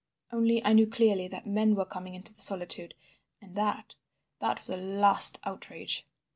Only I knew clearly that men were coming into the solitude and that that was a last outrage.